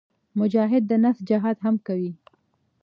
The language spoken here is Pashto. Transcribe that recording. مجاهد د نفس جهاد هم کوي.